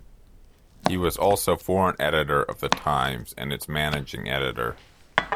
He was also foreign editor of the Times, and its managing editor.